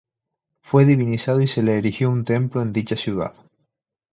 Fue divinizado y se le erigió un templo en dicha ciudad.